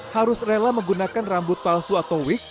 harus rela menggunakan rambut palsu atau wig